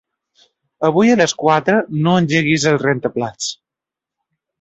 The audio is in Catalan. Avui a les quatre no engeguis el rentaplats.